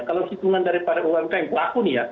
kalau hitungan dari para umkm aku nih ya